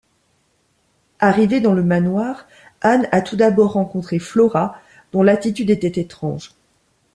Arrivée dans le manoir, Anne a tout d'abord rencontré Flora, dont l'attitude était étrange.